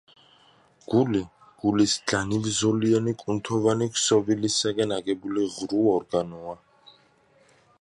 გული, გულის განივზოლიანი კუნთოვანი ქსოვილისაგან აგებული ღრუ ორგანოა.